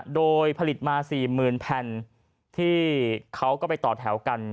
โดยผลิตมา๔๐๐๐แผ่นที่เขาก็ไปต่อแถวกัน